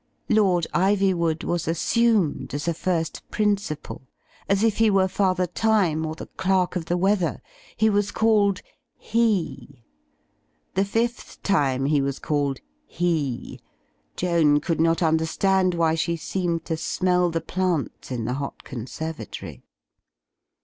Lord Ivywood was assumed as a first prin ciple; as if he were Father Time, or the Qerk of the Weather. He was called "He." The fifth time he was called "He," Joan could not understand why she seemed to smell the plants in the hot conservatory.